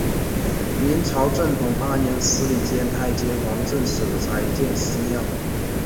明朝正统八年司礼监太监王振舍宅建私庙。